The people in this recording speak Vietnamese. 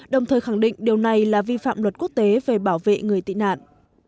đồng thời khẳng định điều này là vi phạm luật quốc tế về bảo vệ người tị nạn